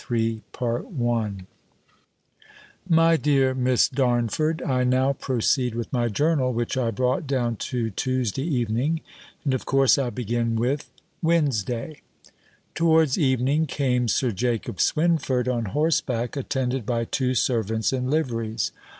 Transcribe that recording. LETTER XXXIII My dear Miss Darnford, I now proceed with my journal, which I brought down to Tuesday evening; and of course I begin with WEDNESDAY. Towards evening came Sir Jacob Swynford, on horseback, attended by two servants in liveries.